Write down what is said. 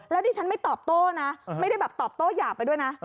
แล้วดิฉันไม่ตอบโต้นะไม่ได้แบบตอบโต้หยาบไปด้วยนะ